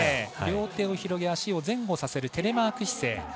両手を広げ、足を前後させるテレマーク姿勢。